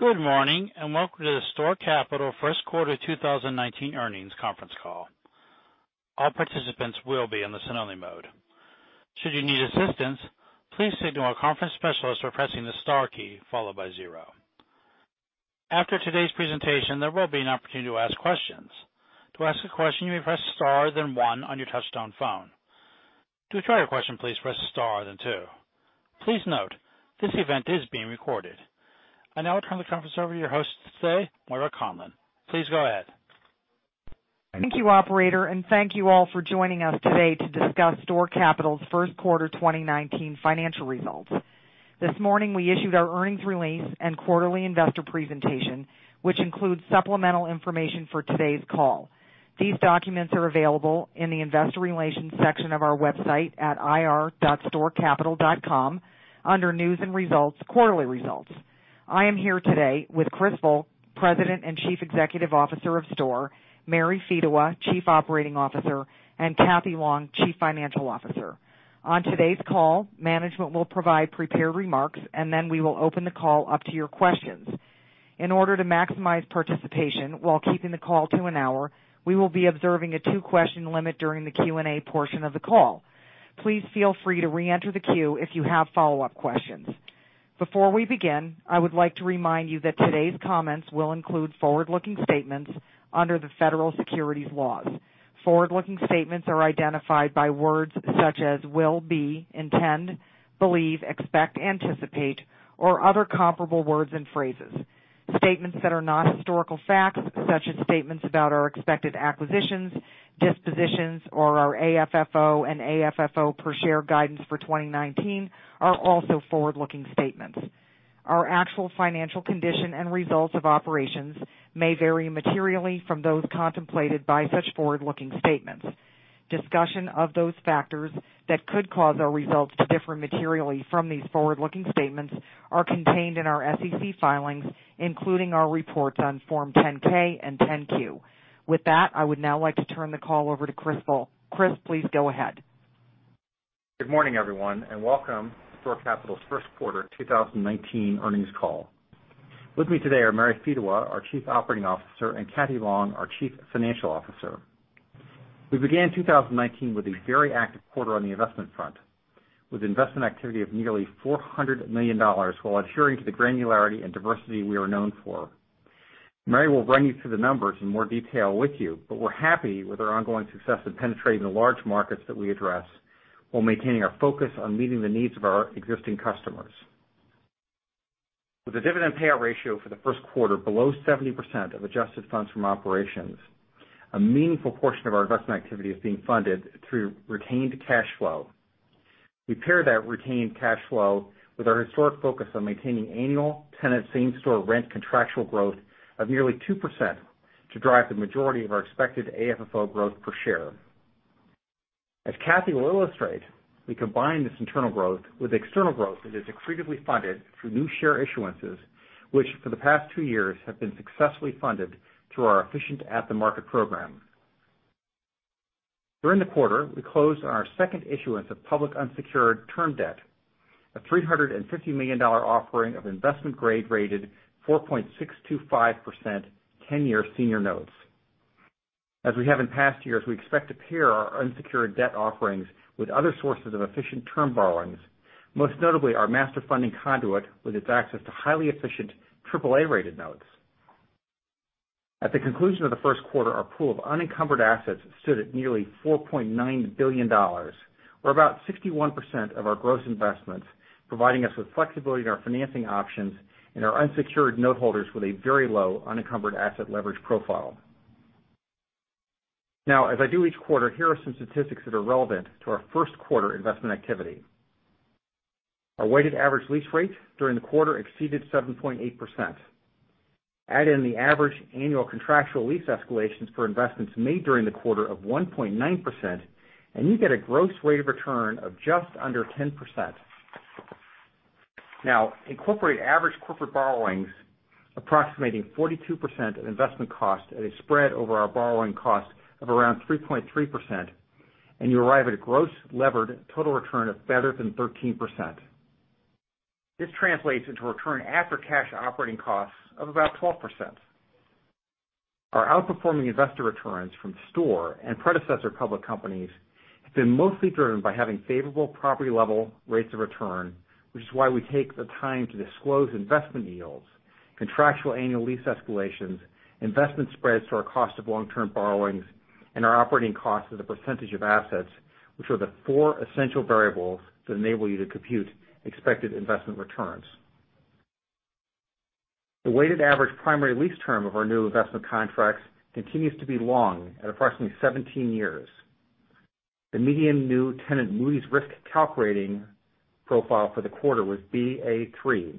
Good morning. Welcome to the STORE Capital First Quarter 2019 Earnings Conference Call. All participants will be in listen-only mode. Should you need assistance, please signal a conference specialist by pressing the star key followed by zero. After today's presentation, there will be an opportunity to ask questions. To ask a question, you may press star then one on your touch-tone phone. To withdraw your question, please press star then two. Please note, this event is being recorded. I now turn the conference over to your host today, Moira Conlon. Please go ahead. Thank you, operator. Thank you all for joining us today to discuss STORE Capital's first quarter 2019 financial results. This morning, we issued our earnings release and quarterly investor presentation, which includes supplemental information for today's call. These documents are available in the investor relations section of our website at ir.storecapital.com under News and Results, Quarterly Results. I am here today with Chris Volk, President and Chief Executive Officer of STORE, Mary Fedewa, Chief Operating Officer, and Catherine Long, Chief Financial Officer. On today's call, management will provide prepared remarks. Then we will open the call up to your questions. In order to maximize participation while keeping the call to an hour, we will be observing a two-question limit during the Q&A portion of the call. Please feel free to reenter the queue if you have follow-up questions. Before we begin, I would like to remind you that today's comments will include forward-looking statements under the federal securities laws. Forward-looking statements are identified by words such as "will," "be," "intend," "believe," "expect," "anticipate," or other comparable words and phrases. Statements that are not historical facts, such as statements about our expected acquisitions, dispositions, or our AFFO and AFFO per share guidance for 2019 are also forward-looking statements. Our actual financial condition and results of operations may vary materially from those contemplated by such forward-looking statements. Discussion of those factors that could cause our results to differ materially from these forward-looking statements are contained in our SEC filings, including our reports on Form 10-K and 10-Q. With that, I would now like to turn the call over to Chris Volk. Chris, please go ahead. Good morning, everyone. Welcome to STORE Capital's First Quarter 2019 Earnings Call. With me today are Mary Fedewa, our Chief Operating Officer, and Catherine Long, our Chief Financial Officer. We began 2019 with a very active quarter on the investment front, with investment activity of nearly $400 million while adhering to the granularity and diversity we are known for. Mary will run you through the numbers in more detail with you. We're happy with our ongoing success of penetrating the large markets that we address while maintaining our focus on meeting the needs of our existing customers. With a dividend payout ratio for the first quarter below 70% of adjusted funds from operations, a meaningful portion of our investment activity is being funded through retained cash flow. We pair that retained cash flow with our historic focus on maintaining annual tenant same-store rent contractual growth of nearly 2% to drive the majority of our expected AFFO growth per share. As Kathy will illustrate, we combine this internal growth with external growth that is accretively funded through new share issuances, which for the past two years have been successfully funded through our efficient at-the-market program. During the quarter, we closed on our second issuance of public unsecured term debt, a $350 million offering of investment grade rated 4.625% 10-year senior notes. As we have in past years, we expect to pair our unsecured debt offerings with other sources of efficient term borrowings, most notably our master funding conduit, with its access to highly efficient AAA-rated notes. At the conclusion of the first quarter, our pool of unencumbered assets stood at nearly $4.9 billion, or about 61% of our gross investments, providing us with flexibility in our financing options and our unsecured note holders with a very low unencumbered asset leverage profile. As I do each quarter, here are some statistics that are relevant to our first quarter investment activity. Our weighted average lease rates during the quarter exceeded 7.8%. Add in the average annual contractual lease escalations for investments made during the quarter of 1.9%, and you get a gross rate of return of just under 10%. Incorporate average corporate borrowings approximating 42% of investment cost at a spread over our borrowing cost of around 3.3%, and you arrive at a gross levered total return of better than 13%. This translates into a return after cash operating costs of about 12%. Our outperforming investor returns from STORE and predecessor public companies have been mostly driven by having favorable property-level rates of return, which is why we take the time to disclose investment yields, contractual annual lease escalations, investment spreads to our cost of long-term borrowings, and our operating costs as a percentage of assets, which are the four essential variables that enable you to compute expected investment returns. The weighted average primary lease term of our new investment contracts continues to be long at approximately 17 years. The median new tenant Moody's risk calculating profile for the quarter was Ba3.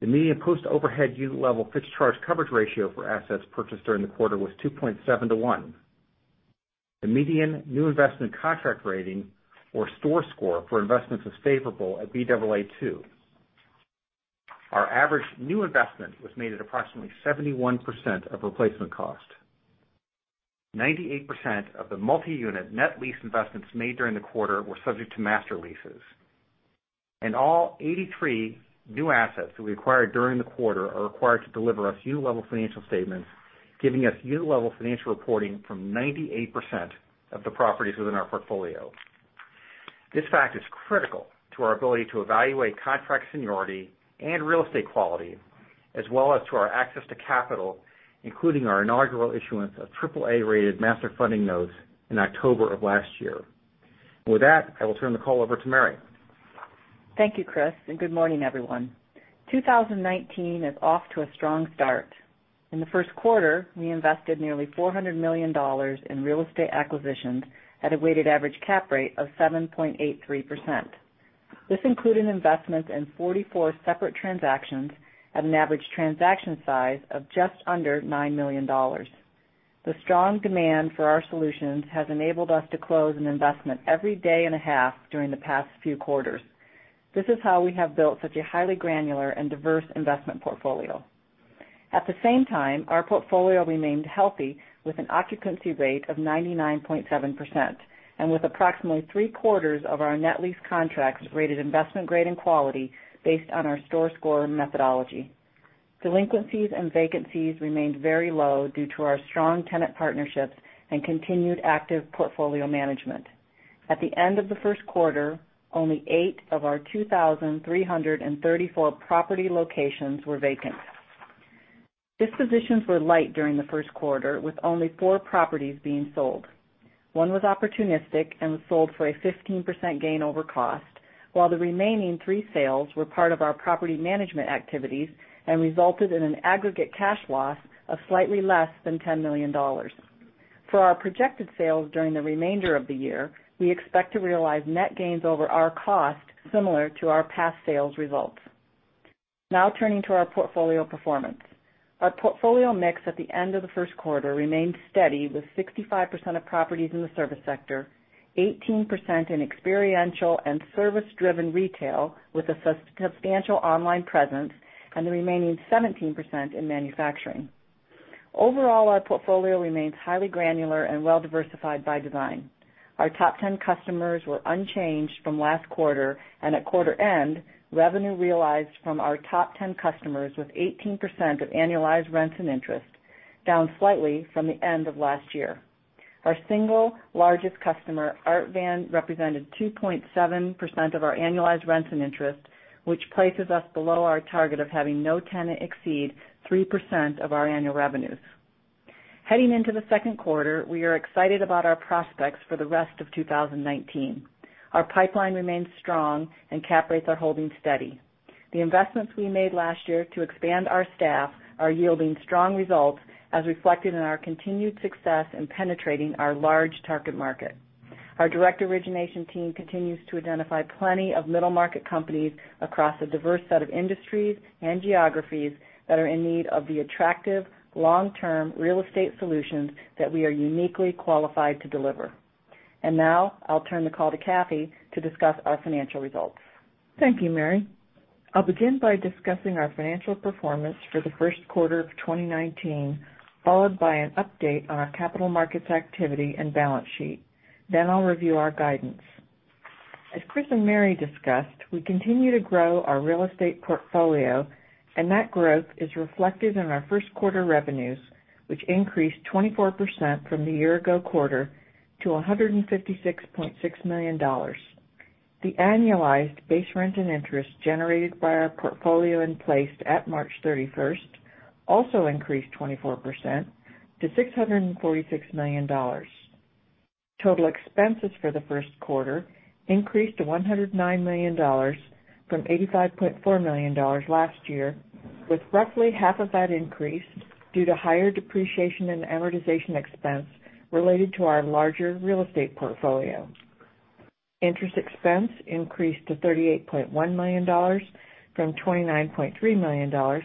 The median post-overhead unit-level fixed charge coverage ratio for assets purchased during the quarter was 2.7 to one. The median new investment contract rating or STORE Score for investments was favorable at Baa2. Our average new investment was made at approximately 71% of replacement cost. 98% of the multi-unit net lease investments made during the quarter were subject to master leases. All 83 new assets that we acquired during the quarter are required to deliver us unit-level financial statements, giving us unit-level financial reporting from 98% of the properties within our portfolio. This fact is critical to our ability to evaluate contract seniority and real estate quality, as well as to our access to capital, including our inaugural issuance of AAA-rated master funding notes in October of last year. With that, I will turn the call over to Mary. Thank you, Chris, and good morning, everyone. 2019 is off to a strong start. In the first quarter, we invested nearly $400 million in real estate acquisitions at a weighted average cap rate of 7.83%. This included investments in 44 separate transactions at an average transaction size of just under $9 million. The strong demand for our solutions has enabled us to close an investment every day and a half during the past few quarters. This is how we have built such a highly granular and diverse investment portfolio. At the same time, our portfolio remained healthy with an occupancy rate of 99.7%, and with approximately three-quarters of our net lease contracts rated investment-grade and quality based on our STORE Score methodology. Delinquencies and vacancies remained very low due to our strong tenant partnerships and continued active portfolio management. At the end of the first quarter, only eight of our 2,334 property locations were vacant. Dispositions were light during the first quarter, with only four properties being sold. One was opportunistic and was sold for a 15% gain over cost, while the remaining three sales were part of our property management activities and resulted in an aggregate cash loss of slightly less than $10 million. For our projected sales during the remainder of the year, we expect to realize net gains over our cost similar to our past sales results. Turning to our portfolio performance. Our portfolio mix at the end of the first quarter remained steady, with 65% of properties in the service sector, 18% in experiential and service-driven retail with a substantial online presence, and the remaining 17% in manufacturing. Overall, our portfolio remains highly granular and well-diversified by design. Our top 10 customers were unchanged from last quarter. At quarter end, revenue realized from our top 10 customers was 18% of annualized rents and interest, down slightly from the end of last year. Our single largest customer, Art Van, represented 2.7% of our annualized rents and interest, which places us below our target of having no tenant exceed 3% of our annual revenues. Heading into the second quarter, we are excited about our prospects for the rest of 2019. Our pipeline remains strong. Cap rates are holding steady. The investments we made last year to expand our staff are yielding strong results, as reflected in our continued success in penetrating our large target market. Our direct origination team continues to identify plenty of middle-market companies across a diverse set of industries and geographies that are in need of the attractive long-term real estate solutions that we are uniquely qualified to deliver. I'll turn the call to Cathy to discuss our financial results. Thank you, Mary. I'll begin by discussing our financial performance for the first quarter of 2019, followed by an update on our capital markets activity and balance sheet. Then I'll review our guidance. As Chris and Mary discussed, we continue to grow our real estate portfolio, and that growth is reflected in our first quarter revenues, which increased 24% from the year ago quarter to $156.6 million. The annualized base rent and interest generated by our portfolio in place at March 31st also increased 24% to $646 million. Total expenses for the first quarter increased to $109 million from $85.4 million last year, with roughly half of that increase due to higher depreciation and amortization expense related to our larger real estate portfolio. Interest expense increased to $38.1 million from $29.3 million,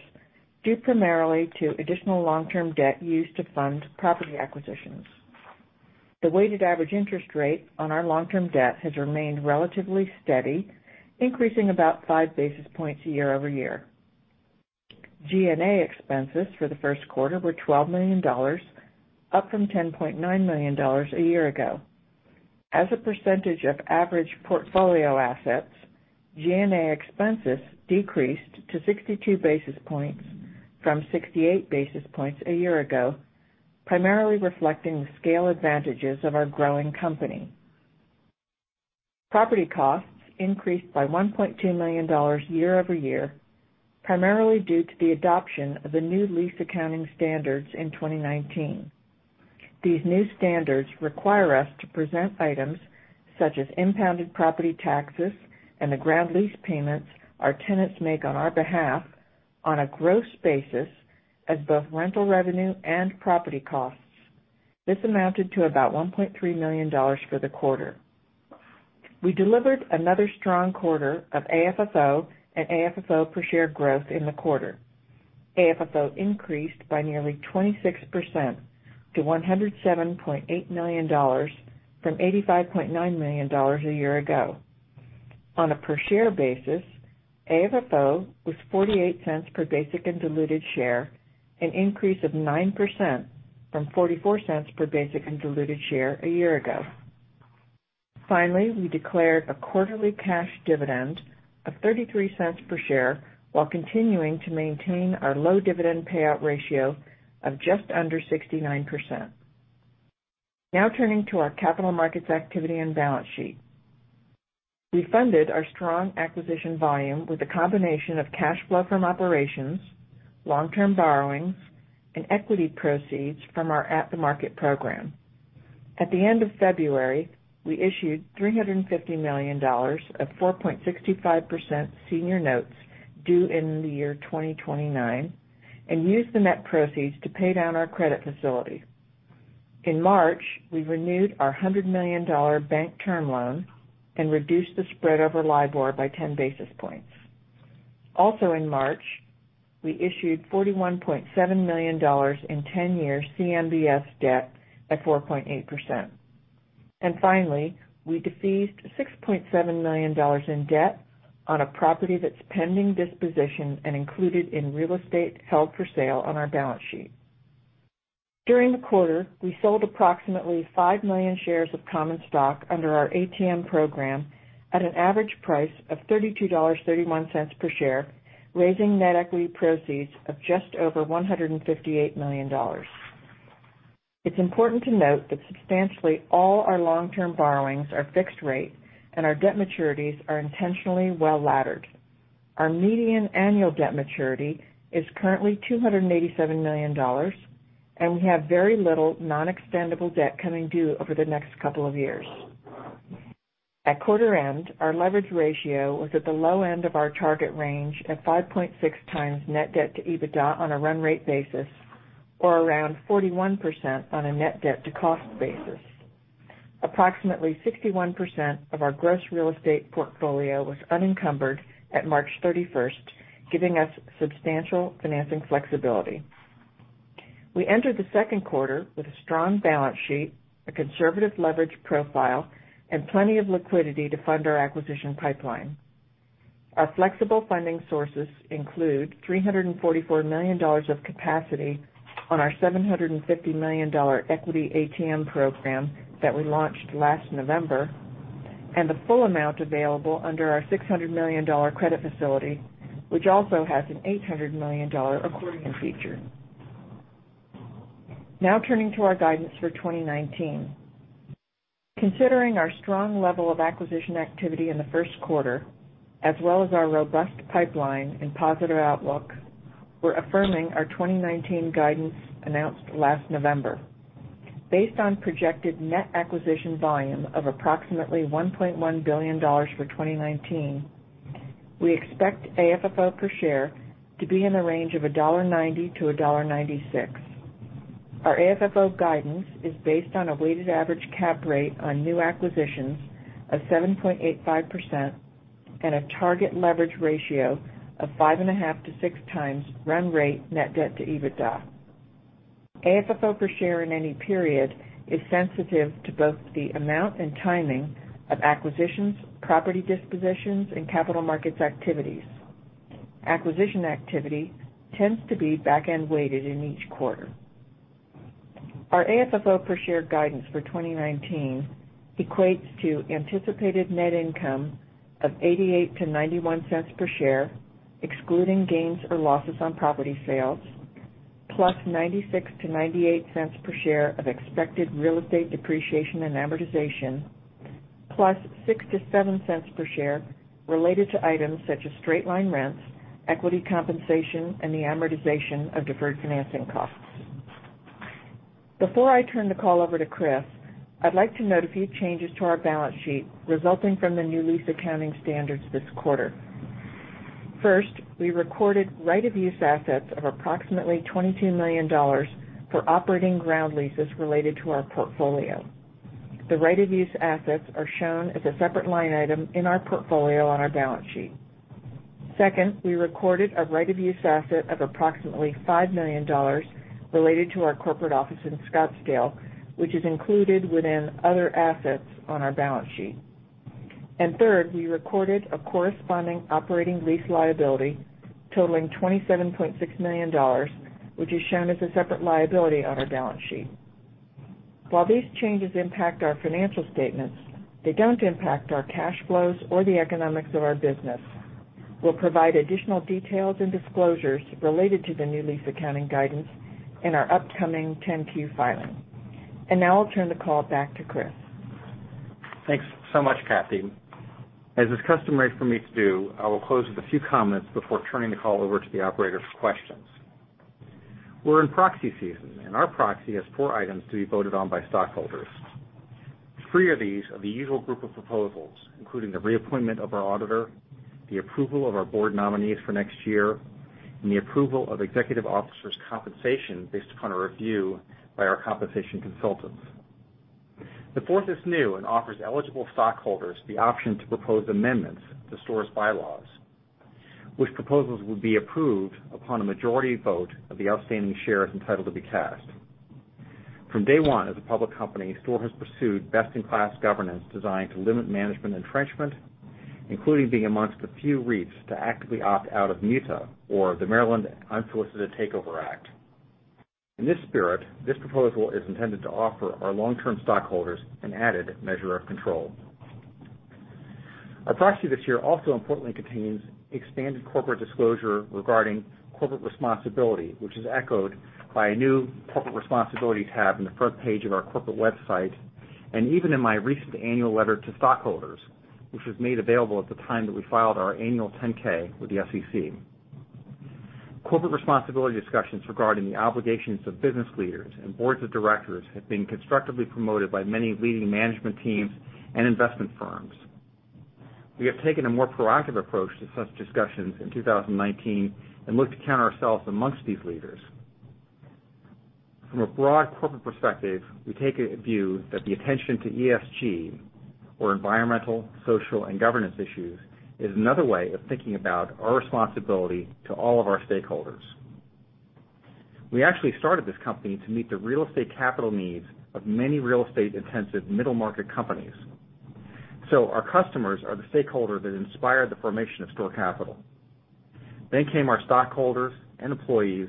due primarily to additional long-term debt used to fund property acquisitions. The weighted average interest rate on our long-term debt has remained relatively steady, increasing about 5 basis points year-over-year. G&A expenses for the first quarter were $12 million, up from $10.9 million a year ago. As a percentage of average portfolio assets, G&A expenses decreased to 62 basis points from 68 basis points a year ago, primarily reflecting the scale advantages of our growing company. Property costs increased by $1.2 million year-over-year, primarily due to the adoption of the new lease accounting standards in 2019. These new standards require us to present items such as impounded property taxes and the ground lease payments our tenants make on our behalf on a gross basis as both rental revenue and property costs. This amounted to about $1.3 million for the quarter. We delivered another strong quarter of AFFO and AFFO per share growth in the quarter. AFFO increased by nearly 26% to $107.8 million from $85.9 million a year ago. On a per share basis, AFFO was $0.48 per basic and diluted share, an increase of 9% from $0.44 per basic and diluted share a year ago. Finally, we declared a quarterly cash dividend of $0.33 per share while continuing to maintain our low dividend payout ratio of just under 69%. Now turning to our capital markets activity and balance sheet. We funded our strong acquisition volume with a combination of cash flow from operations, long-term borrowings, equity proceeds from our at-the-market program. At the end of February, we issued $350 million of 4.65% senior notes due in the year 2029 and used the net proceeds to pay down our credit facility. In March, we renewed our $100 million bank term loan and reduced the spread over LIBOR by 10 basis points. Also in March, we issued $41.7 million in 10-year CMBS debt at 4.8%. Finally, we defeased $6.7 million in debt on a property that's pending disposition and included in real estate held for sale on our balance sheet. During the quarter, we sold approximately 5 million shares of common stock under our ATM program at an average price of $32.31 per share, raising net equity proceeds of just over $158 million. It's important to note that substantially all our long-term borrowings are fixed rate and our debt maturities are intentionally well-laddered. Our median annual debt maturity is currently $287 million, and we have very little non-extendible debt coming due over the next couple of years. At quarter end, our leverage ratio was at the low end of our target range at 5.6 times net debt to EBITDA on a run rate basis or around 41% on a net debt to cost basis. Approximately 61% of our gross real estate portfolio was unencumbered at March 31st, giving us substantial financing flexibility. We entered the second quarter with a strong balance sheet, a conservative leverage profile, and plenty of liquidity to fund our acquisition pipeline. Our flexible funding sources include $344 million of capacity on our $750 million equity ATM program that we launched last November and the full amount available under our $600 million credit facility, which also has an $800 million accordion feature. Turning to our guidance for 2019. Considering our strong level of acquisition activity in the first quarter, as well as our robust pipeline and positive outlook, we're affirming our 2019 guidance announced last November. Based on projected net acquisition volume of approximately $1.1 billion for 2019, we expect AFFO per share to be in the range of $1.90 to $1.96. Our AFFO guidance is based on a weighted average cap rate on new acquisitions of 7.85% and a target leverage ratio of five and a half to six times run rate net debt to EBITDA. AFFO per share in any period is sensitive to both the amount and timing of acquisitions, property dispositions, and capital markets activities. Acquisition activity tends to be back-end weighted in each quarter. Our AFFO per share guidance for 2019 equates to anticipated net income of $0.88 to $0.91 per share, excluding gains or losses on property sales, plus $0.96 to $0.98 per share of expected real estate depreciation and amortization, plus $0.06 to $0.07 per share related to items such as straight-line rents, equity compensation, and the amortization of deferred financing costs. Before I turn the call over to Chris, I'd like to note a few changes to our balance sheet resulting from the new lease accounting standards this quarter. First, we recorded right-of-use assets of approximately $22 million for operating ground leases related to our portfolio. The right-of-use assets are shown as a separate line item in our portfolio on our balance sheet. Second, we recorded a right-of-use asset of approximately $5 million related to our corporate office in Scottsdale, which is included within other assets on our balance sheet. Third, we recorded a corresponding operating lease liability totaling $27.6 million, which is shown as a separate liability on our balance sheet. While these changes impact our financial statements, they don't impact our cash flows or the economics of our business. We'll provide additional details and disclosures related to the new lease accounting guidance in our upcoming 10-Q filing. Now I'll turn the call back to Chris. Thanks so much, Kathy. As is customary for me to do, I will close with a few comments before turning the call over to the operator for questions. We're in proxy season, and our proxy has four items to be voted on by stockholders. Three of these are the usual group of proposals, including the reappointment of our auditor, the approval of our board nominees for next year, and the approval of executive officers' compensation based upon a review by our compensation consultants. The fourth is new and offers eligible stockholders the option to propose amendments to STORE's bylaws, which proposals will be approved upon a majority vote of the outstanding shares entitled to be cast. From day one as a public company, STORE has pursued best-in-class governance designed to limit management entrenchment, including being amongst the few REITs to actively opt out of MUTA, or the Maryland Unsolicited Takeover Act. In this spirit, this proposal is intended to offer our long-term stockholders an added measure of control. Our proxy this year also importantly contains expanded corporate disclosure regarding corporate responsibility, which is echoed by a new corporate responsibility tab in the front page of our corporate website, and even in my recent annual letter to stockholders, which was made available at the time that we filed our Annual 10-K with the SEC. Corporate responsibility discussions regarding the obligations of business leaders and boards of directors have been constructively promoted by many leading management teams and investment firms. We have taken a more proactive approach to such discussions in 2019 and look to count ourselves amongst these leaders. From a broad corporate perspective, we take a view that the attention to ESG, or environmental, social, and governance issues, is another way of thinking about our responsibility to all of our stakeholders. We actually started this company to meet the real estate capital needs of many real estate-intensive middle-market companies. Our customers are the stakeholders that inspired the formation of STORE Capital. Came our stockholders and employees,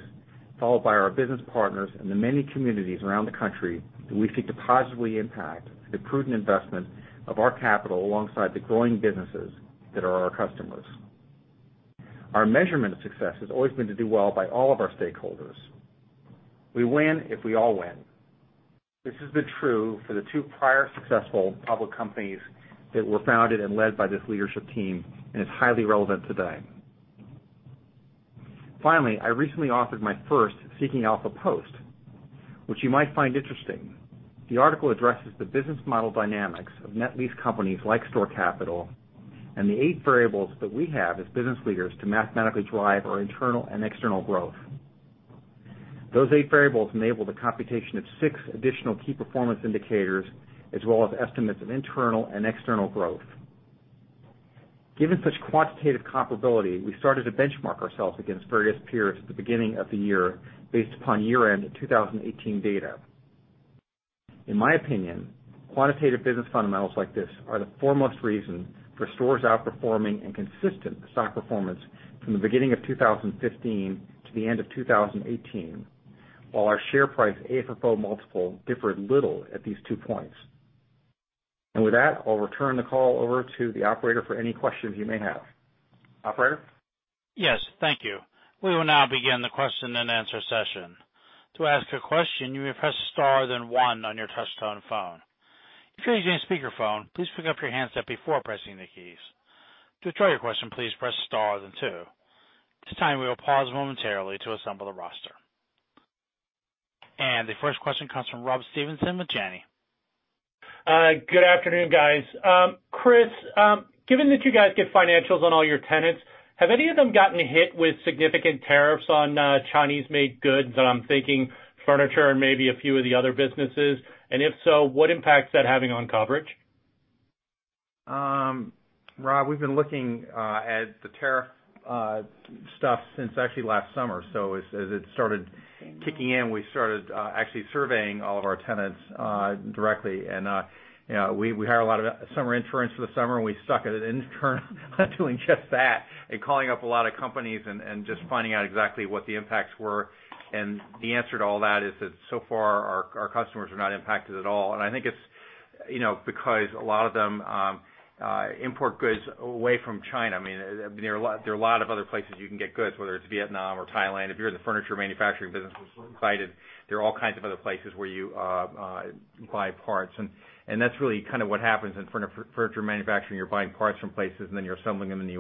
followed by our business partners in the many communities around the country that we seek to positively impact the prudent investment of our capital alongside the growing businesses that are our customers. Our measurement of success has always been to do well by all of our stakeholders. We win if we all win. This has been true for the two prior successful public companies that were founded and led by this leadership team, and it's highly relevant today. Finally, I recently authored my first Seeking Alpha post, which you might find interesting. The article addresses the business model dynamics of net lease companies like STORE Capital and the eight variables that we have as business leaders to mathematically drive our internal and external growth. Those eight variables enable the computation of six additional key performance indicators, as well as estimates of internal and external growth. Given such quantitative comparability, we started to benchmark ourselves against various peers at the beginning of the year based upon year-end 2018 data. In my opinion, quantitative business fundamentals like this are the foremost reason for STORE's outperforming and consistent stock performance from the beginning of 2015 to the end of 2018, while our share price AFFO multiple differed little at these two points. With that, I'll return the call over to the operator for any questions you may have. Operator? Yes. Thank you. We will now begin the question and answer session. To ask a question, you may press star, then one on your touch-tone phone. If you're using a speakerphone, please pick up your handset before pressing the keys. To withdraw your question, please press star, then two. At this time, we will pause momentarily to assemble the roster. The first question comes from Rob Stevenson with Janney Montgomery Scott. Good afternoon, guys. Chris, given that you guys get financials on all your tenants, have any of them gotten hit with significant tariffs on Chinese-made goods? I'm thinking furniture and maybe a few of the other businesses. If so, what impact is that having on coverage? Rob, we've been looking at the tariff stuff since actually last summer. As it started kicking in, we started actually surveying all of our tenants directly. We hire a lot of summer interns for the summer, and we suck at it in turn doing just that and calling up a lot of companies and just finding out exactly what the impacts were. The answer to all that is that so far our customers are not impacted at all. I think it's because a lot of them import goods away from China. There are a lot of other places you can get goods, whether it's Vietnam or Thailand. If you're in the furniture manufacturing business, as we cited, there are all kinds of other places where you buy parts. That's really kind of what happens in furniture manufacturing. You're buying parts from places, then you're assembling them in the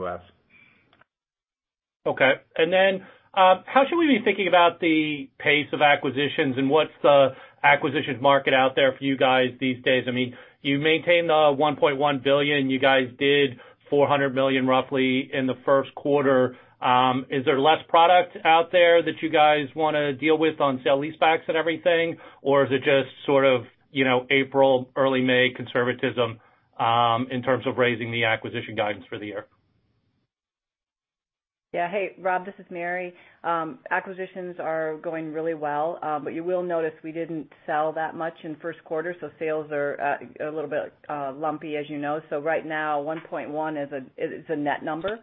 U.S. Then, how should we be thinking about the pace of acquisitions and what's the acquisitions market out there for you guys these days? You maintain the $1.1 billion. You guys did $400 million roughly in the first quarter. Is there less product out there that you guys want to deal with on sale-leasebacks and everything? Is it just sort of April, early May conservatism in terms of raising the acquisition guidance for the year? Yeah. Hey, Rob. This is Mary. Acquisitions are going really well. You will notice we didn't sell that much in first quarter, sales are a little bit lumpy, as you know. Right now, 1.1 is a net number.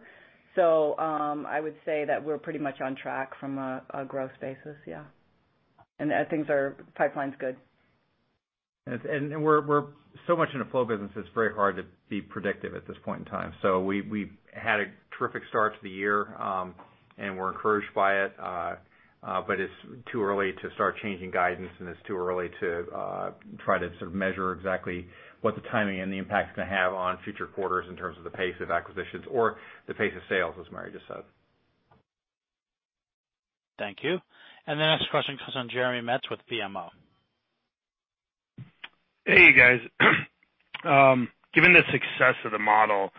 I would say that we're pretty much on track from a growth basis, yeah. Pipeline's good. We're so much in a flow business, it's very hard to be predictive at this point in time. We had a terrific start to the year, and we're encouraged by it. It's too early to start changing guidance, and it's too early to try to sort of measure exactly what the timing and the impact's going to have on future quarters in terms of the pace of acquisitions or the pace of sales, as Mary just said. Thank you. The next question comes from Jeremy Metz with BMO. Hey, you guys. Given the success of the model,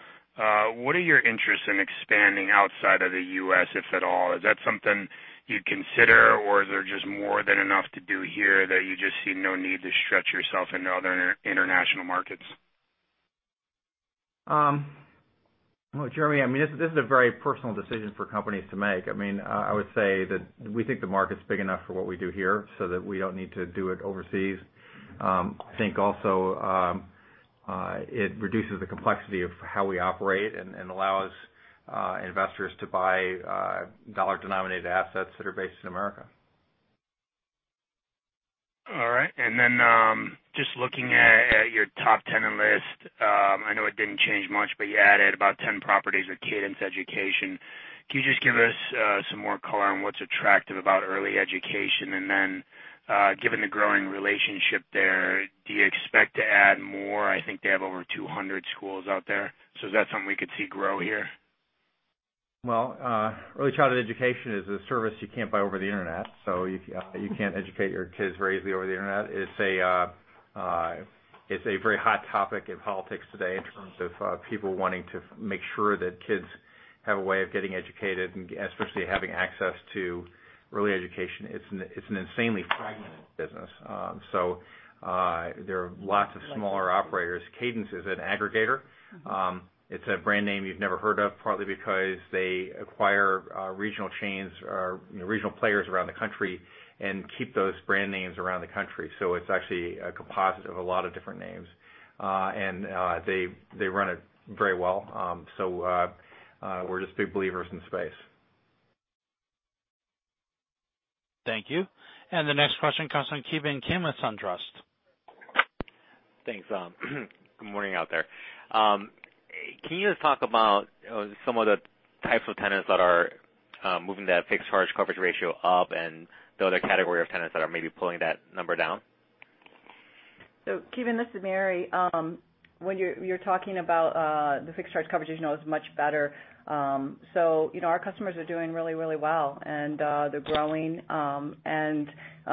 what are your interests in expanding outside of the U.S., if at all? Is that something you'd consider, or is there just more than enough to do here that you just see no need to stretch yourself into other international markets? Jeremy, this is a very personal decision for companies to make. I would say that we think the market's big enough for what we do here, that we don't need to do it overseas. I think also, it reduces the complexity of how we operate and allows investors to buy dollar-denominated assets that are based in America. All right. Just looking at your top 10 list. I know it didn't change much, you added about 10 properties with Cadence Education. Can you just give us some more color on what's attractive about early education? Given the growing relationship there, do you expect to add more? I think they have over 200 schools out there. Is that something we could see grow here? Well, early childhood education is a service you can't buy over the internet. You can't educate your kids very easily over the internet. It's a very hot topic in politics today in terms of people wanting to make sure that kids have a way of getting educated and especially having access to early education. It's an insanely fragmented business. There are lots of smaller operators. Cadence is an aggregator. It's a brand name you've never heard of, partly because they acquire regional chains or regional players around the country and keep those brand names around the country. It's actually a composite of a lot of different names. They run it very well. We're just big believers in the space. Thank you. The next question comes from Kevin Kim with SunTrust. Thanks. Good morning out there. Can you just talk about some of the types of tenants that are moving that fixed charge coverage ratio up and the other category of tenants that are maybe pulling that number down? Kevin, this is Mary. When you're talking about the fixed charge coverage, as you know, is much better. Our customers are doing really well, and they're growing.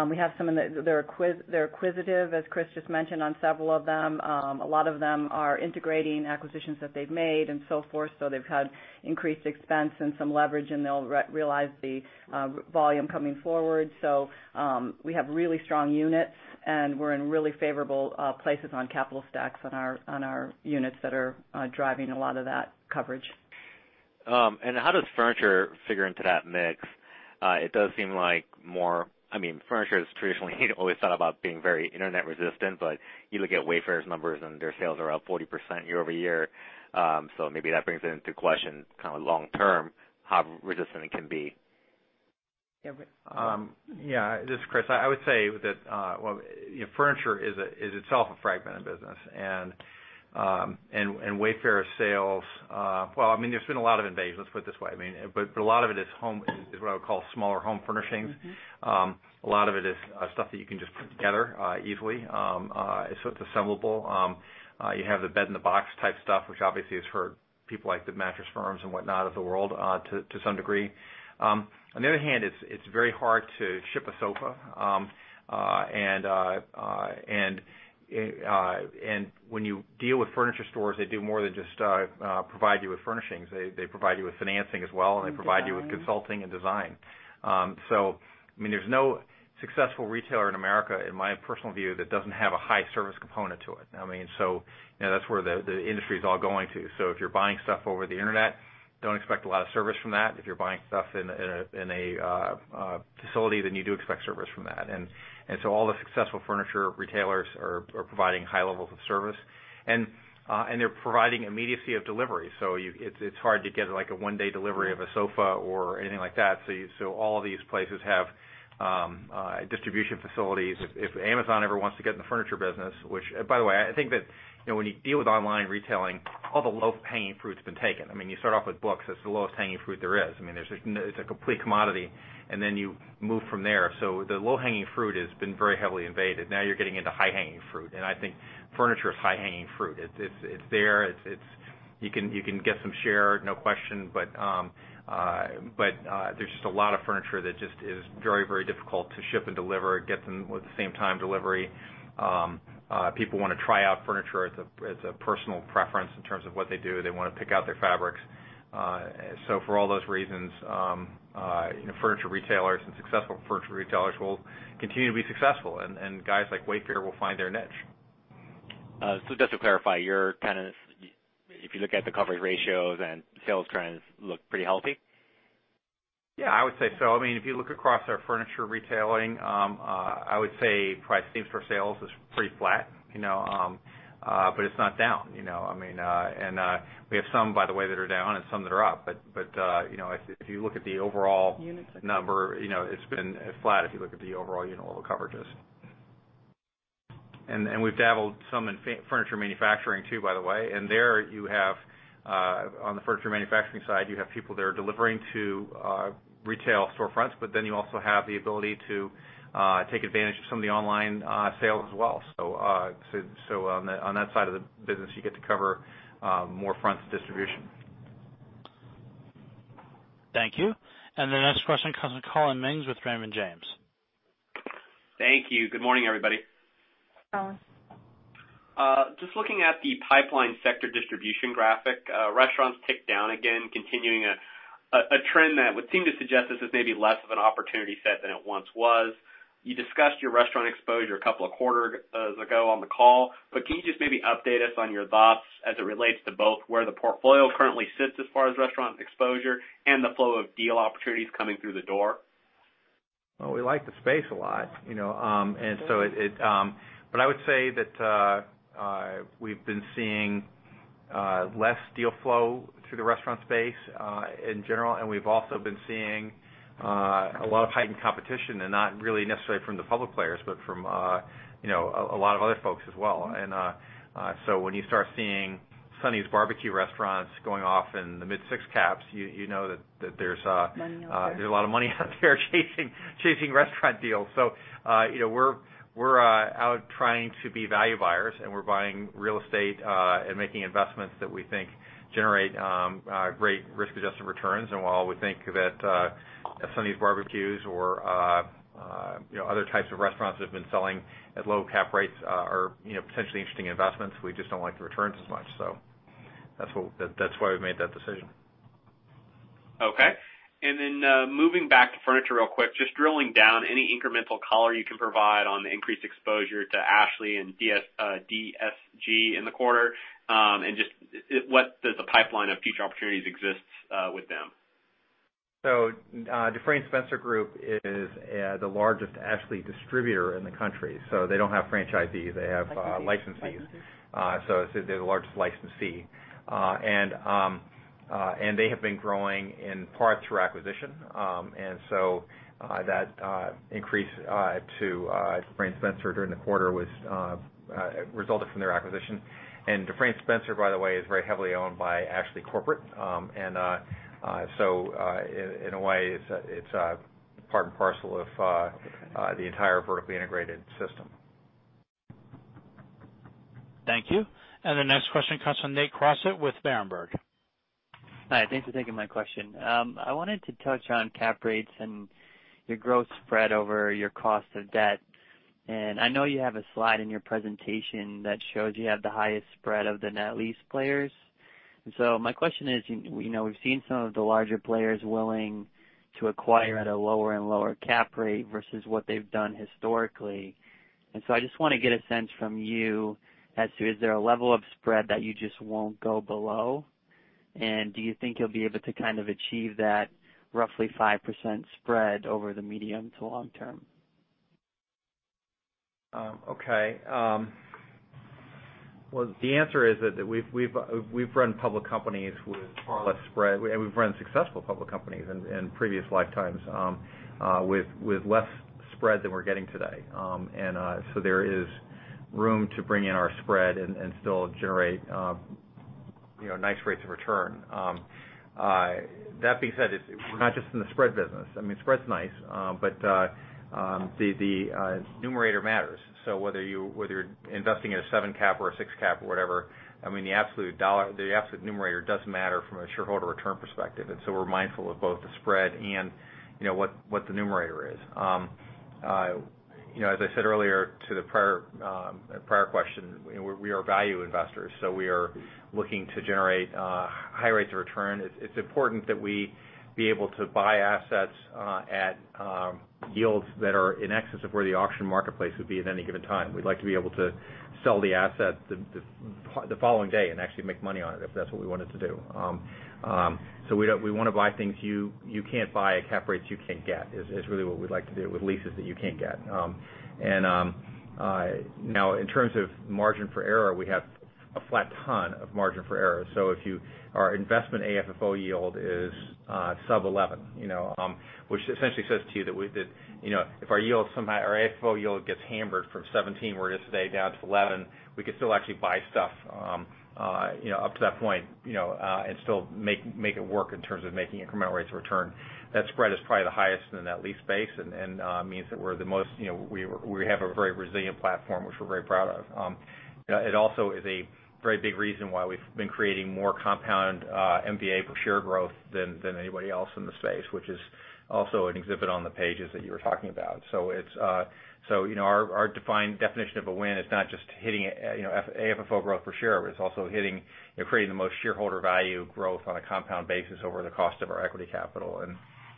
We have some that they're acquisitive, as Chris just mentioned, on several of them. A lot of them are integrating acquisitions that they've made and so forth. They've had increased expense and some leverage, and they'll realize the volume coming forward. We have really strong units, and we're in really favorable places on capital stacks on our units that are driving a lot of that coverage. How does furniture figure into that mix? It does seem like furniture is traditionally always thought about being very internet resistant, but you look at Wayfair's numbers, and their sales are up 40% year-over-year. Maybe that brings into question kind of long-term, how resistant it can be. Yeah. Yeah. This is Chris. Wayfair's sales-- well, there's been a lot of invasion, let's put it this way. A lot of it is what I would call smaller home furnishings. A lot of it is stuff that you can just put together easily. It's assemblable. You have the bed-in-a-box type stuff, which obviously is for people like the Mattress Firm and whatnot of the world to some degree. On the other hand, it's very hard to ship a sofa. When you deal with furniture stores, they do more than just provide you with furnishings. They provide you with financing as well, and they provide you with consulting and design. There's no successful retailer in America, in my personal view, that doesn't have a high-service component to it. That's where the industry's all going to. If you're buying stuff over the internet, don't expect a lot of service from that. If you're buying stuff in a facility, you do expect service from that. All the successful furniture retailers are providing high levels of service. They're providing immediacy of delivery. It's hard to get a one-day delivery of a sofa or anything like that. All of these places have distribution facilities. If Amazon ever wants to get in the furniture business, which by the way, I think that when you deal with online retailing, all the low-hanging fruit's been taken. You start off with books, that's the lowest hanging fruit there is. It's a complete commodity, you move from there. The low-hanging fruit has been very heavily invaded. Now you're getting into high-hanging fruit, and I think furniture is high-hanging fruit. It's there. You can get some share, no question, but there's just a lot of furniture that just is very difficult to ship and deliver, get the same-time delivery. People want to try out furniture as a personal preference in terms of what they do. They want to pick out their fabrics. For all those reasons, furniture retailers and successful furniture retailers will continue to be successful, and guys like Wayfair will find their niche. Just to clarify, your tenants, if you look at the coverage ratios and sales trends, look pretty healthy? Yeah, I would say so. If you look across our furniture retailing, I would say probably same-store sales is pretty flat. It's not down. We have some, by the way, that are down and some that are up. If you look at the overall- Units number, it's been flat if you look at the overall unit-level coverages. We've dabbled some in furniture manufacturing too, by the way. There, on the furniture manufacturing side, you have people that are delivering to retail storefronts, but then you also have the ability to take advantage of some of the online sales as well. On that side of the business, you get to cover more fronts of distribution. Thank you. The next question comes from Collin Mings with Raymond James. Thank you. Good morning, everybody. Collin. Just looking at the pipeline sector distribution graphic. Restaurants ticked down again, continuing a trend that would seem to suggest this is maybe less of an opportunity set than it once was. You discussed your restaurant exposure a couple of quarters ago on the call, but can you just maybe update us on your thoughts as it relates to both where the portfolio currently sits as far as restaurant exposure and the flow of deal opportunities coming through the door? We like the space a lot. I would say that we've been seeing less deal flow through the restaurant space, in general, we've also been seeing a lot of heightened competition, not really necessarily from the public players, but from a lot of other folks as well. When you start seeing Sonny's BBQ restaurants going off in the mid six caps, you know that there's a lot of money out there chasing restaurant deals. We're out trying to be value buyers, we're buying real estate, making investments that we think generate great risk-adjusted returns. While we think that Sonny's Barbecues or other types of restaurants that have been selling at low cap rates are potentially interesting investments, we just don't like the returns as much. That's why we've made that decision. Okay. Moving back to furniture real quick, just drilling down, any incremental color you can provide on the increased exposure to Ashley and DSG in the quarter, just what does the pipeline of future opportunities exist with them? Dufresne Spencer Group is the largest Ashley distributor in the country. They don't have franchisees, they have licensees. They're the largest licensee. They have been growing in part through acquisition. That increase to Dufresne Spencer during the quarter resulted from their acquisition. Dufresne Spencer, by the way, is very heavily owned by Ashley Corporate. In a way, it's part and parcel of the entire vertically integrated system. Thank you. The next question comes from Nate Crossett with Berenberg. Hi, thanks for taking my question. I wanted to touch on cap rates and your growth spread over your cost of debt. I know you have a slide in your presentation that shows you have the highest spread of the net lease players. My question is, we've seen some of the larger players willing to acquire at a lower and lower cap rate versus what they've done historically. I just want to get a sense from you as to, is there a level of spread that you just won't go below? Do you think you'll be able to kind of achieve that roughly 5% spread over the medium to long term? Okay. Well, the answer is that we've run public companies with far less spread, we've run successful public companies in previous lifetimes with less spread than we're getting today. There is room to bring in our spread and still generate nice rates of return. That being said, we're not just in the spread business. I mean, spread's nice, but the numerator matters. Whether you're investing in a seven cap or a six cap or whatever, the absolute numerator does matter from a shareholder return perspective. We're mindful of both the spread and what the numerator is. As I said earlier to the prior question, we are value investors, we are looking to generate high rates of return. It's important that we be able to buy assets at yields that are in excess of where the auction marketplace would be at any given time. We'd like to be able to sell the asset the following day and actually make money on it, if that's what we wanted to do. We want to buy things you can't buy at cap rates you can't get, is really what we'd like to do, with leases that you can't get. Now in terms of margin for error, we have a flat ton of margin for error. Our investment AFFO yield is sub-11, which essentially says to you that if our AFFO yield gets hammered from 17, where it is today, down to 11, we could still actually buy stuff up to that point, and still make it work in terms of making incremental rates of return. That spread is probably the highest in the net lease space and means that we have a very resilient platform, which we're very proud of. It also is a very big reason why we've been creating more compound NAV per share growth than anybody else in the space, which is also an exhibit on the pages that you were talking about. Our defined definition of a win is not just hitting AFFO growth per share, but it's also creating the most shareholder value growth on a compound basis over the cost of our equity capital.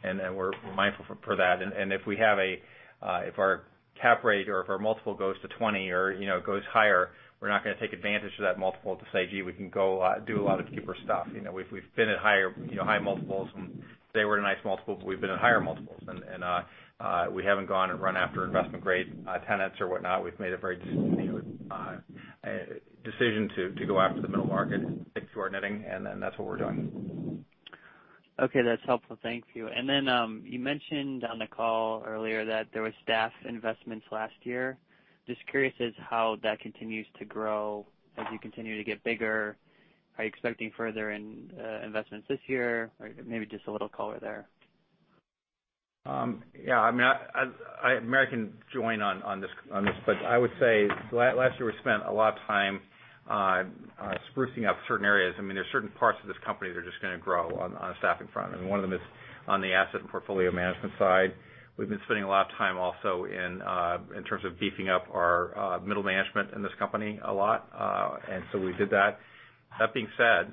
We're mindful for that. If our cap rate or if our multiple goes to 20 or it goes higher, we're not going to take advantage of that multiple to say, "Gee, we can go do a lot of cheaper stuff." We've been at high multiples, and today we're at a nice multiple, but we've been at higher multiples and we haven't gone and run after investment-grade tenants or whatnot. We've made a very distinct decision to go after the middle market, sticks to our knitting, that's what we're doing. Okay, that's helpful. Thank you. You mentioned on the call earlier that there was staff investments last year. Just curious as how that continues to grow as you continue to get bigger. Are you expecting further investments this year? Maybe just a little color there. Mary can join on this, but I would say last year we spent a lot of time on sprucing up certain areas. There's certain parts of this company that are just going to grow on a staffing front, one of them On the asset and portfolio management side, we've been spending a lot of time also in terms of beefing up our middle management in this company a lot. We did that. That being said,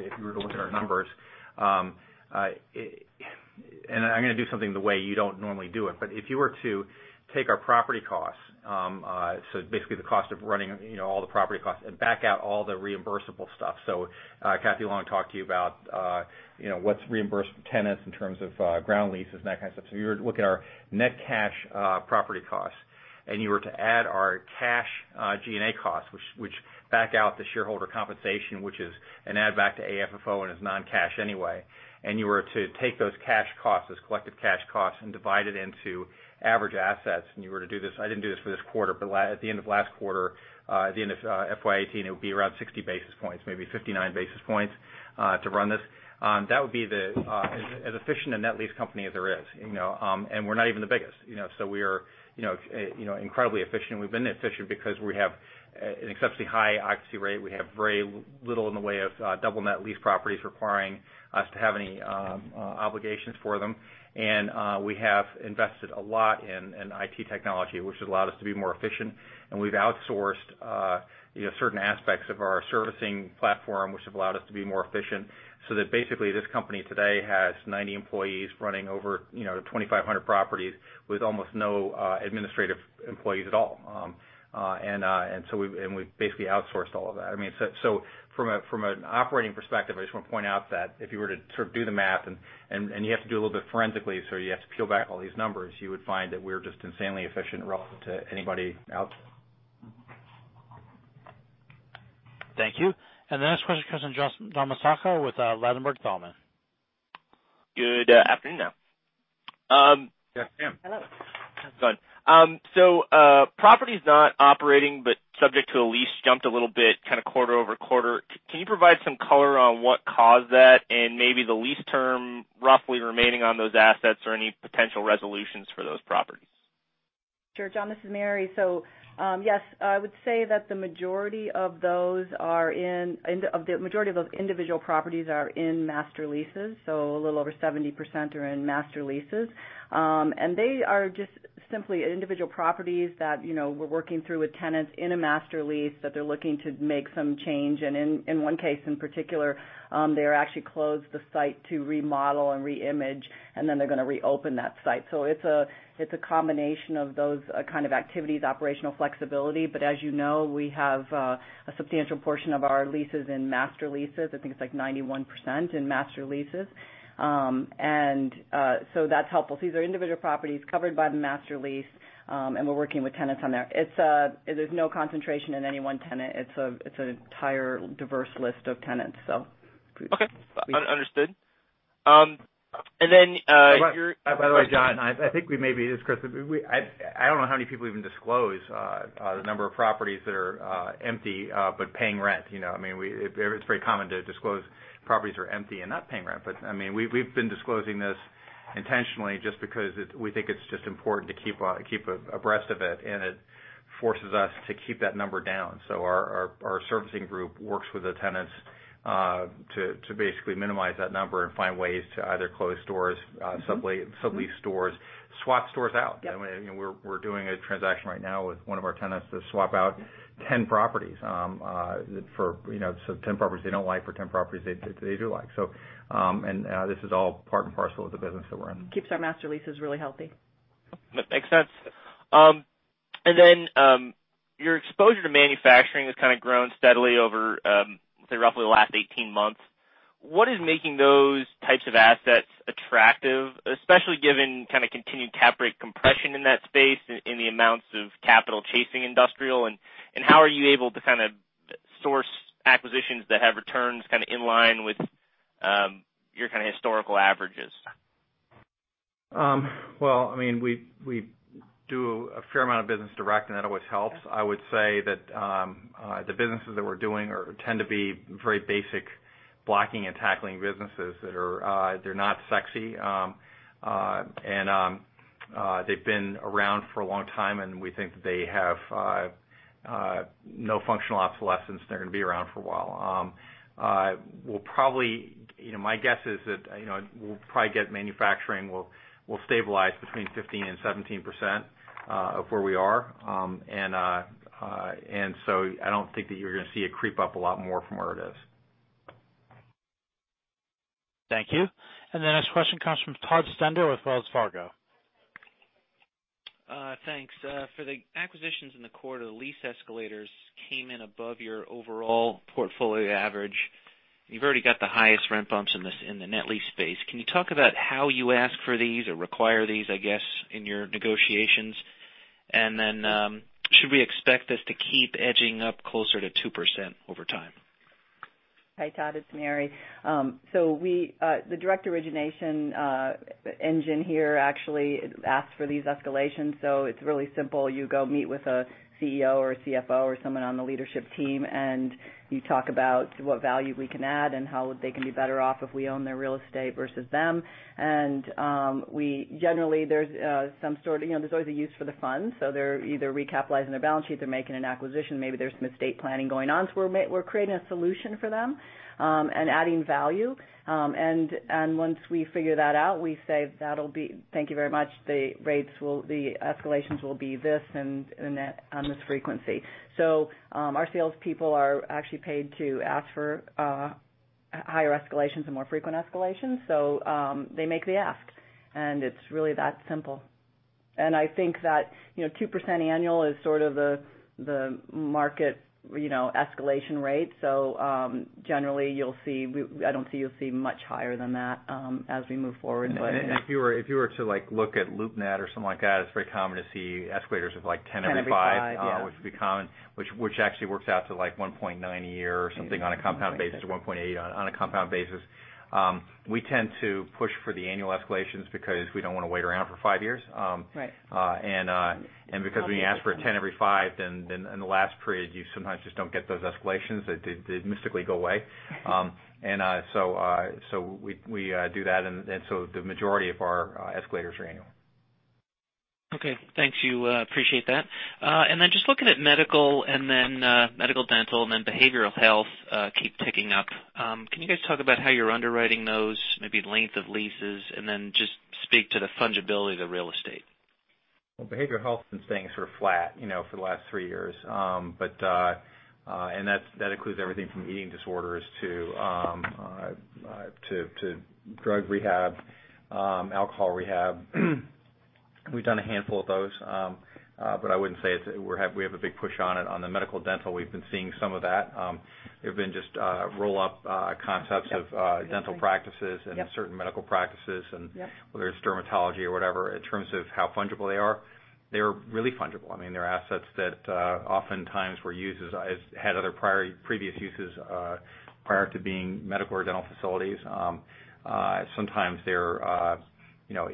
if you were to look at our numbers, and I'm going to do something the way you don't normally do it, but if you were to take our property costs, so basically the cost of running all the property costs, and back out all the reimbursable stuff. Cathy Long talked to you about what's reimbursed for tenants in terms of ground leases and that kind of stuff. If you were to look at our net cash property costs, and you were to add our cash G&A costs, which back out the shareholder compensation, which is an add back to AFFO and is non-cash anyway, and you were to take those cash costs, those collective cash costs, and divide it into average assets, and you were to do this, I didn't do this for this quarter, but at the end of last quarter, at the end of FY 2018, it would be around 60 basis points, maybe 59 basis points to run this. That would be as efficient a net lease company as there is, and we're not even the biggest. We are incredibly efficient. We've been efficient because we have an exceptionally high occupancy rate. We have very little in the way of double net lease properties requiring us to have any obligations for them. We have invested a lot in IT technology, which has allowed us to be more efficient. We've outsourced certain aspects of our servicing platform, which have allowed us to be more efficient, so that basically this company today has 90 employees running over 2,500 properties with almost no administrative employees at all. We've basically outsourced all of that. From an operating perspective, I just want to point out that if you were to do the math, and you have to do it a little bit forensically, so you have to peel back all these numbers, you would find that we're just insanely efficient relative to anybody out. Thank you. The next question comes from John Massocca with Ladenburg Thalmann. Good afternoon now. Yes, Sam. How's it going? Properties not operating but subject to a lease jumped a little bit kind of quarter-over-quarter. Can you provide some color on what caused that and maybe the lease term roughly remaining on those assets or any potential resolutions for those properties? Sure, John. This is Mary. Yes, I would say that the majority of those individual properties are in master leases. A little over 70% are in master leases. They are just simply individual properties that we're working through with tenants in a master lease that they're looking to make some change. In one case in particular, they actually closed the site to remodel and re-image, and then they're going to reopen that site. It's a combination of those kind of activities, operational flexibility. But as you know, we have a substantial portion of our leases in master leases. I think it's like 91% in master leases. That's helpful. These are individual properties covered by the master lease, and we're working with tenants on there. There's no concentration in any one tenant. It's an entire diverse list of tenants. Okay. Understood. By the way, John, This is Chris. I don't know how many people even disclose the number of properties that are empty, but paying rent. It's very common to disclose properties are empty and not paying rent. We've been disclosing this intentionally just because we think it's just important to keep abreast of it, and it forces us to keep that number down. Our servicing group works with the tenants to basically minimize that number and find ways to either close stores, sublease stores, swap stores out. Yep. We're doing a transaction right now with one of our tenants to swap out 10 properties. 10 properties they don't like for 10 properties they do like. This is all part and parcel of the business that we're in. Keeps our master leases really healthy. That makes sense. Your exposure to manufacturing has kind of grown steadily over, say, roughly the last 18 months. What is making those types of assets attractive, especially given kind of continued cap rate compression in that space in the amounts of capital chasing industrial, and how are you able to kind of source acquisitions that have returns kind of in line with your kind of historical averages? Well, we do a fair amount of business direct, and that always helps. I would say that the businesses that we're doing tend to be very basic blocking and tackling businesses that are not sexy. They've been around for a long time, and we think that they have no functional obsolescence. They're going to be around for a while. My guess is that we'll probably get manufacturing will stabilize between 15% and 17% of where we are. I don't think that you're going to see it creep up a lot more from where it is. Thank you. The next question comes from Todd Stender with Wells Fargo. Thanks. For the acquisitions in the quarter, the lease escalators came in above your overall portfolio average. You've already got the highest rent bumps in the net lease space. Can you talk about how you ask for these or require these, I guess, in your negotiations? Should we expect this to keep edging up closer to 2% over time? Hi, Todd. It's Mary. The direct origination engine here actually asks for these escalations. It's really simple. You go meet with a CEO or CFO or someone on the leadership team, and you talk about what value we can add and how they can be better off if we own their real estate versus them. Generally, there's always a use for the funds. They're either recapitalizing their balance sheet, they're making an acquisition, maybe there's some estate planning going on. We're creating a solution for them, and adding value. Once we figure that out, we say, "Thank you very much. The escalations will be this and that on this frequency." Our salespeople are actually paid to ask for higher escalations and more frequent escalations. They make the ask, and it's really that simple. I think that 2% annual is sort of the market escalation rate. Generally, I don't see you'll see much higher than that, as we move forward. If you were to look at LoopNet or something like that, it's very common to see escalators of like 10 every five- 10 every five, yeah which would be common, which actually works out to like 1.9% a year or something on a compound basis, or 1.8% on a compound basis. We tend to push for the annual escalations because we don't want to wait around for five years. Right. Because when you ask for a 10 every five, in the last period, you sometimes just don't get those escalations. They mystically go away. We do that, the majority of our escalators are annual. Okay. Thank you. Appreciate that. Just looking at medical and dental and then behavioral health keep ticking up. Can you guys talk about how you're underwriting those, maybe length of leases, and then just speak to the fungibility of the real estate? Well, behavioral health has been staying sort of flat for the last three years. That includes everything from eating disorders to drug rehab, alcohol rehab. We've done a handful of those. I wouldn't say we have a big push on it. On the medical-dental, we've been seeing some of that. They've been just roll-up concepts of dental practices and certain medical practices. Yes whether it's dermatology or whatever. In terms of how fungible they are, they're really fungible. They're assets that oftentimes had other previous uses prior to being medical or dental facilities. Sometimes they're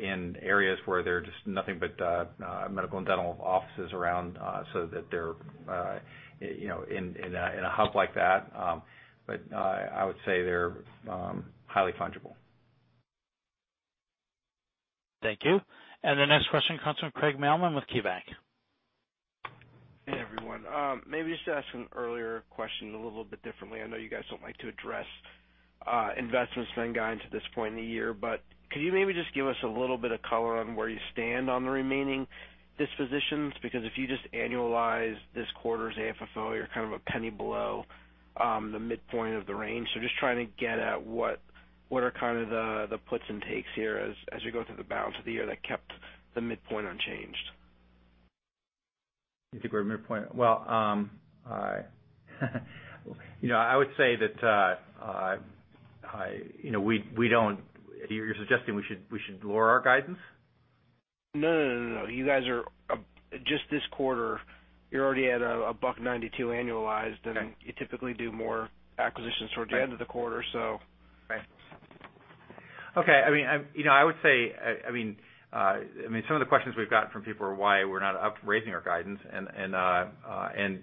in areas where there are just nothing but medical and dental offices around, so that they're in a hub like that. I would say they're highly fungible. Thank you. The next question comes from Craig Mailman with KeyBank. Hey, everyone. Maybe just to ask an earlier question a little bit differently. I know you guys don't like to address investments then going into this point in the year, could you maybe just give us a little bit of color on where you stand on the remaining dispositions? If you just annualize this quarter's AFFO, you're kind of $0.01 below the midpoint of the range. Just trying to get at what are kind of the puts and takes here as you go through the balance of the year that kept the midpoint unchanged. You think we're at midpoint. Well, you're suggesting we should lower our guidance? No, no. You guys are, just this quarter, you're already at $1.92 annualized. Okay. You typically do more acquisitions towards the end of the quarter. Right. Okay. I would say, some of the questions we've got from people are why we're not up raising our guidance, the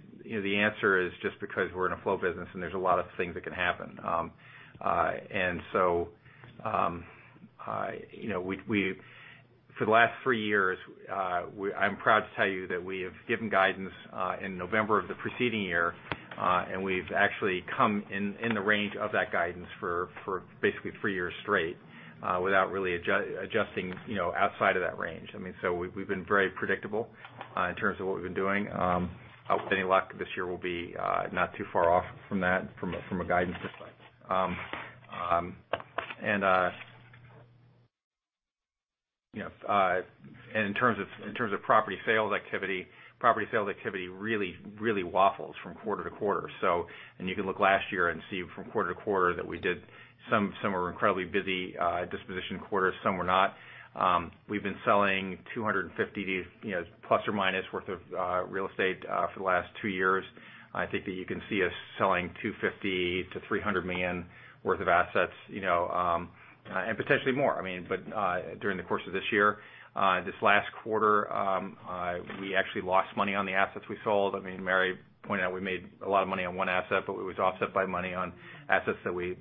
answer is just because we're in a flow business, there's a lot of things that can happen. For the last three years, I'm proud to tell you that we have given guidance in November of the preceding year, we've actually come in the range of that guidance for basically three years straight without really adjusting outside of that range. We've been very predictable in terms of what we've been doing. With any luck, this year will be not too far off from that, from a guidance perspective. In terms of property sales activity, property sales activity really waffles from quarter to quarter. You can look last year and see from quarter to quarter that some were incredibly busy disposition quarters, some were not. We've been selling 250, plus or minus worth of real estate for the last two years. I think that you can see us selling $250 million-$300 million worth of assets, potentially more during the course of this year. This last quarter, we actually lost money on the assets we sold. Mary pointed out we made a lot of money on one asset, it was offset by money on assets that we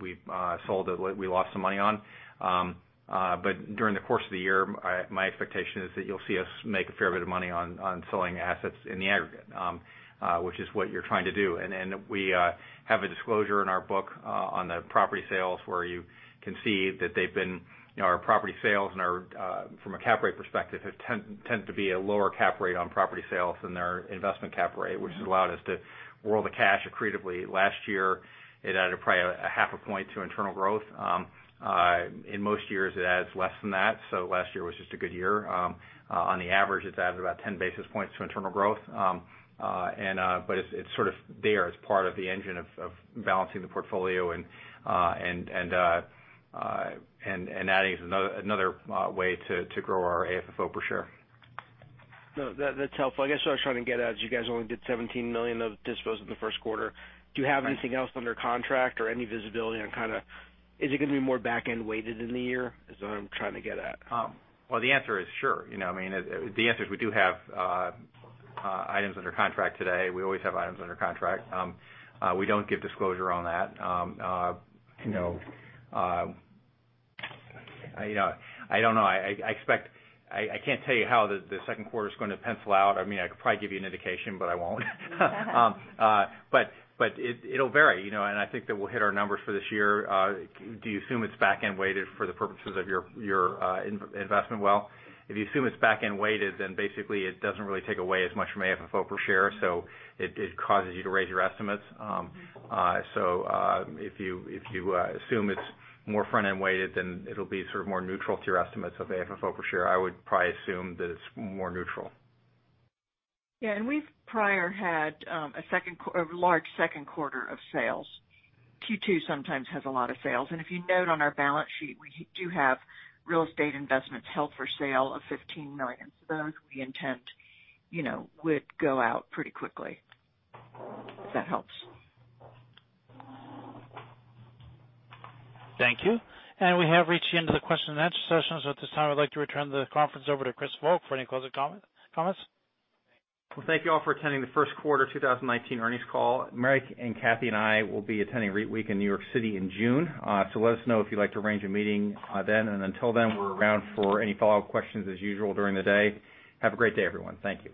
sold that we lost some money on. During the course of the year, my expectation is that you'll see us make a fair bit of money on selling assets in the aggregate, which is what you're trying to do. We have a disclosure in our book on the property sales where you can see that our property sales from a cap rate perspective tend to be a lower cap rate on property sales than their investment cap rate, which has allowed us to roll the cash accretively. Last year, it added probably a half a point to internal growth. In most years, it adds less than that. Last year was just a good year. On the average, it's added about 10 basis points to internal growth. It's sort of there as part of the engine of balancing the portfolio and adding another way to grow our AFFO per share. No, that's helpful. I guess what I was trying to get at is you guys only did $17 million of dispos in the first quarter. Right. Do you have anything else under contract or any visibility on kind of, is it going to be more back-end weighted in the year? Is what I'm trying to get at. Well, the answer is sure. The answer is we do have items under contract today. We always have items under contract. We don't give disclosure on that. I don't know. I can't tell you how the second quarter is going to pencil out. I could probably give you an indication, but I won't. It'll vary, and I think that we'll hit our numbers for this year. Do you assume it's back-end weighted for the purposes of your investment? Well, if you assume it's back-end weighted, basically it doesn't really take away as much from AFFO per share. It causes you to raise your estimates. If you assume it's more front-end weighted, then it'll be sort of more neutral to your estimates of AFFO per share. I would probably assume that it's more neutral. Yeah. We've prior had a large second quarter of sales. Q2 sometimes has a lot of sales. If you note on our balance sheet, we do have real estate investments held for sale of $15 million. Those we intend would go out pretty quickly. If that helps. Thank you. We have reached the end of the question and answer session. At this time, I'd like to return the conference over to Christopher Volk for any closing comments. Thank you all for attending the first quarter 2019 earnings call. Mary and Cathy and I will be attending REITweek in New York City in June. Let us know if you'd like to arrange a meeting then, and until then, we're around for any follow-up questions as usual during the day. Have a great day, everyone. Thank you.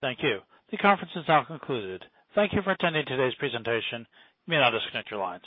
Thank you. The conference is now concluded. Thank you for attending today's presentation. You may now disconnect your lines.